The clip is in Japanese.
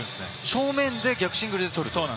正面で逆シングルで取る。